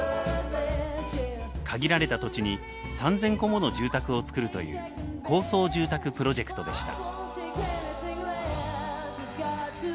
限られた土地に３，０００戸もの住宅を造るという高層住宅プロジェクトでした。